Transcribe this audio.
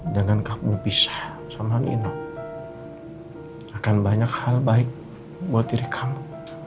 jangan kamu pisah sama nino akan banyak hal baik buat diri kamu